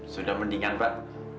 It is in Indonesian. sudah mendingan pak